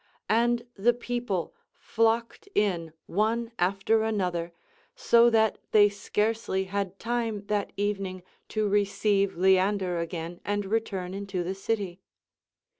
And the people fiocked in one after another, so that thev scarcely had rime that eveniuii to receive Lean der again and return into the city.